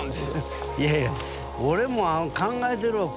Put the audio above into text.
いやいや俺も考えてるわ。